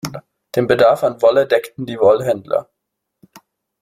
Den Bedarf an Wolle deckten die Wollhändler.